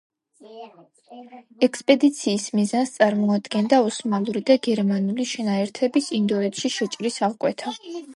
ექსპედიციის მიზანს წარმოადგენდა ოსმალური და გერმანული შენაერთების ინდოეთში შეჭრის აღკვეთა.